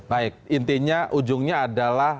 baik intinya ujungnya adalah